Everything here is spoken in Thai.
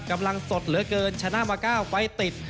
กำลังสดเหลือเกินชนะมา๙ไฟล์ติด